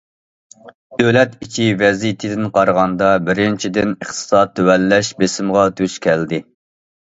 دۆلەت ئىچى ۋەزىيىتىدىن قارىغاندا، بىرىنچىدىن، ئىقتىساد تۆۋەنلەش بېسىمىغا دۇچ كەلدى.